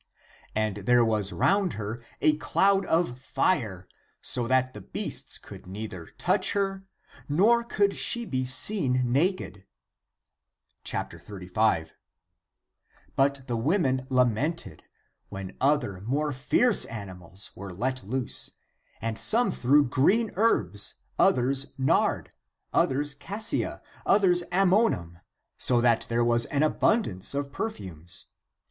And there was round her a cloud of fire, so that the beasts could neither touch her, nor could she be seen naked. 35. But the women lamented, when other more fierce animals were let loose, and some threw green herbs, others nard, others cassia, others amomum, ^1 Coptic : heard. ACTS OF PAUL 29 SO that there was an abundance of perfumes.